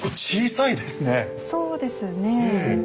そうですね。